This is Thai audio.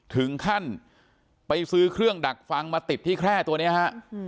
ถึงขั้นไปซื้อเครื่องดักฟังมาติดที่แคร่ตัวนี้ฮะ